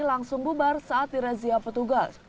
langsung bubar saat di razia petugas